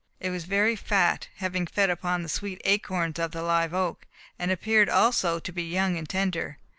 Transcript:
It was very fat, having fed upon the sweet acorns of the live oak, and appeared also to be young and tender.